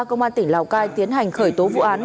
công an tỉnh lào cai tiến hành khởi tố vụ án